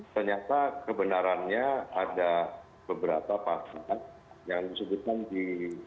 ternyata kebenarannya ada beberapa pasien yang disebutkan di